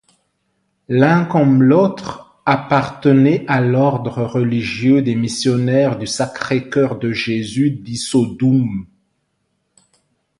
L'un comme l'autre appartenaient à l'ordre religieux des Missionnaires du Sacré-Cœur de Jésus d'Issoudun.